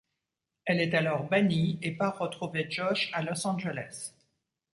Elle est alors bannie et part retrouver Josh à Los Angles.